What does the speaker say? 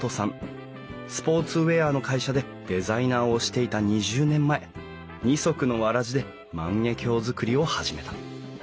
スポーツウエアの会社でデザイナーをしていた２０年前二足のわらじで万華鏡づくりを始めた。